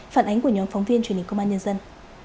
phản ánh của nhóm phóng viên truyền hình công an nhân dân